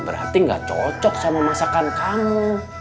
berarti gak cocok sama masakan kamu